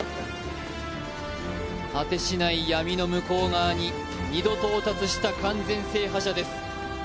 果てしない闇の向こう側に２度到達した完全制覇者です。